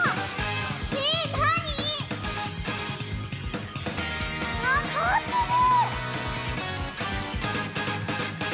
えなに⁉あかわってる！